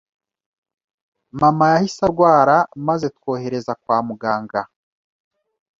Mama yahise arwara maze twohereza kwa muganga.